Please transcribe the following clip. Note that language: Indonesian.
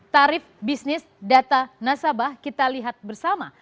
tarif bisnis data nasabah kita lihat bersama